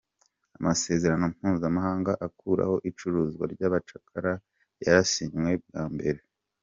Amasezerano mpuzamahanga akuraho icuruzwa ry’abacakara yarasinywe bwa mbere.